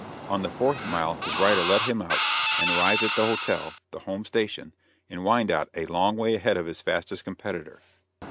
On the fourth mile his rider let him out, and arrived at the hotel the home station in Wyandotte a long way ahead of his fastest competitor.